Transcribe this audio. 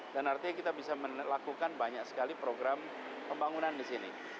dan artinya kita bisa melakukan banyak sekali program pembangunan di sini